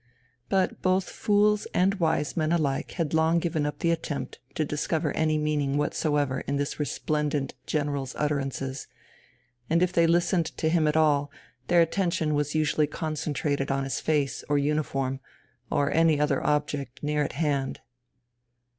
But both fools and wise men alike had long given up the attempt to discover any meaning whatsoever in this resplen dent General's utterances ; and if they listened to him at all, their attention was usually concentrated on his face or uniform or any other object near at hand.